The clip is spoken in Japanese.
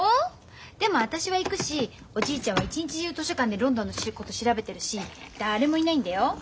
でも私は行くしおじいちゃんは一日中図書館でロンドンのこと調べてるし誰もいないんだよ。